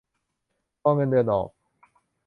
รอเงินเดือนออก